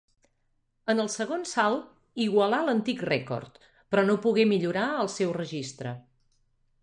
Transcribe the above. En el segon salt igualà l'antic rècord, però no pogué millorar el seu registre.